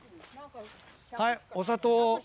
はいお砂糖。